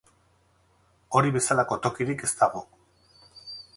Hori bezalako tokirik ez dago.